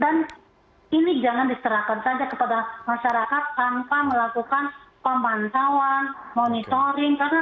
dan ini jangan diserahkan saja kepada masyarakat tanpa melakukan pemantauan monitoring karena apa